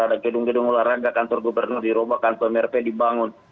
ada gedung gedung olahraga kantor gubernur di roba kantor mrp dibangun